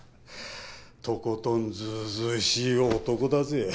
とことんずうずうしい男だぜ。